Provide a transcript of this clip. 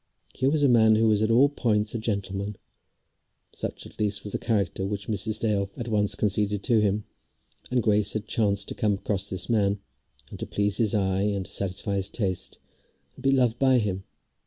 Here was a man who was at all points a gentleman. Such, at least, was the character which Mrs. Dale at once conceded to him. And Grace had chanced to come across this man, and to please his eye, and satisfy his taste, and be loved by him.